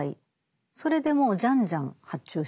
それでもうじゃんじゃん発注してたという。